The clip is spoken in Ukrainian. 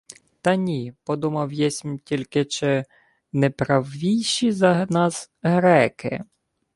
— Та ні... Подумав єсмь тільки, чи... не правійші за нас... греки.